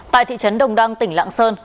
tại thị trấn đồng đăng tỉnh lạng sơn